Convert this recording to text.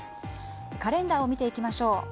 カレンダーを見ていきましょう。